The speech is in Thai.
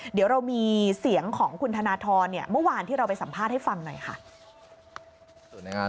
เดี๋ยวเรามีเสียงของคุณธนทรเมื่อวานที่เราไปสัมภาษณ์ให้ฟังหน่อยค่ะ